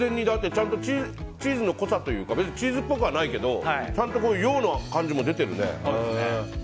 ちゃんとチーズの濃さというかチーズっぽくはないけどちゃんと洋の感じも出てるね。